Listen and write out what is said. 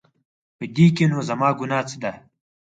په دې کې نو زما ګناه څه ده؟